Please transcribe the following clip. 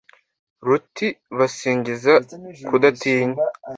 ruti basingiza kudatinya